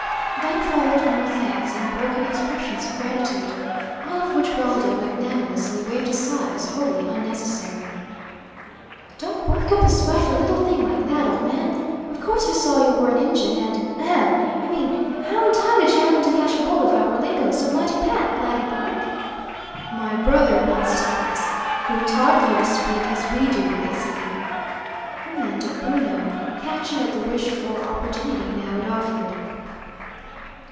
Then followed more thanks and broken expressions of gratitude, all of which Waldo magnanimously waved aside as wholly unnecessary. "Don't work up a sweat for a little thing like that, old man. Of course we saw you were an Injun and ahem! I mean, how in time did you happen to catch hold of our lingo so mighty pat, laddy buck?" "My brother means to ask who taught you to speak as we do, Ixtli?" amended Bruno, catching at the wished for opportunity now it offered.